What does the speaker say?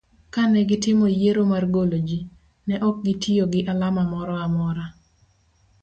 kane gitimo yiero mar golo jii, ne ok gitiyo gi alama moro amor